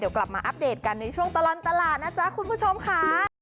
เดี๋ยวกลับมาอัปเดตกันในช่วงตลอดตลาดนะจ๊ะคุณผู้ชมค่ะ